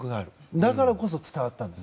だからこそ伝わったんです。